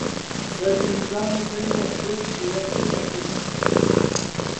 C'est une danse énergique et assez rapide.